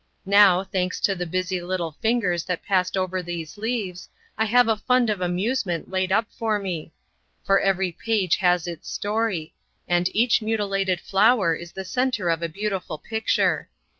Now, thanks to the busy little fingers that passed over these leaves, I have a fund of amusement laid up for me; for every page has its story, and each mutilated flower is the centre of a beautiful picture.